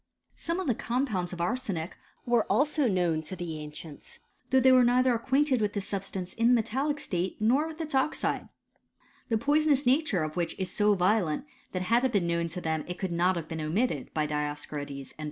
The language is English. § 9. Some of the compounds of arsenic were also known to the ancients ; though they were neither ac quainted with this substance in the metallic state, nor with its oxide ; the poisonous nature of which is so violent that had it been known to them it could not have been omitted by Dioscorides and Pliny« * 12 Kings ix.